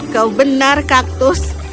kau benar kaktus